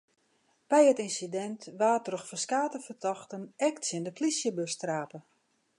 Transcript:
By it ynsidint waard troch ferskate fertochten ek tsjin de plysjebus trape.